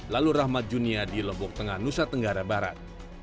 lalu rahmat junia di lombok tengah nusa tenggara barat